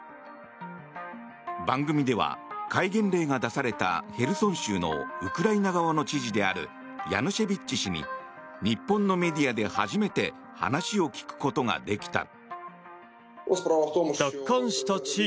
番組では戒厳令が出されたヘルソン州のウクライナ側の知事であるヤヌシェビッチ氏に日本のメディアで初めて話を聞くことができた。